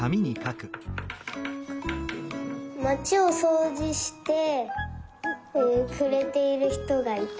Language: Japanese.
まちをそうじしてくれているひとがいた。